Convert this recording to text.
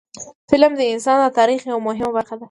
فلم د انسان د تاریخ یوه مهمه برخه ده